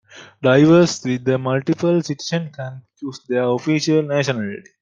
Drivers with multiple citizenship choose their "official" nationality.